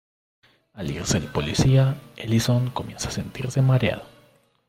Al irse el policía, Ellison comienza a sentirse mareado.